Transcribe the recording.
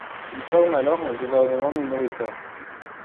Il forme alors un gouvernement minoritaire.